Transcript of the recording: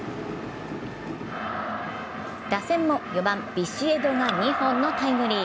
打線も４番・ビシエドが２本のタイムリー。